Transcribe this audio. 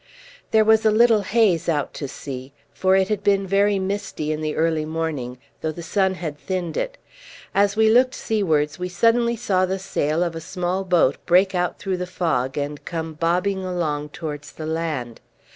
There was a little haze out to sea; for it had been very misty in the early morning, though the sun had thinned it. As we looked seawards we suddenly saw the sail of a small boat break out through the fog, and come bobbing along towards the land.